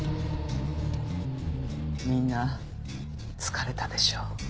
みんな疲れたでしょ。